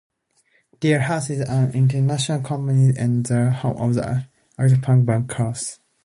Dial House is an intentional community and the home of the anarcho-punk band Crass.